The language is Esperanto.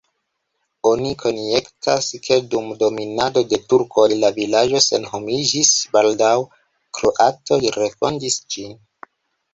Oni konjektas, ke dum dominado de turkoj la vilaĝo senhomiĝis, baldaŭ kroatoj refondis ĝin.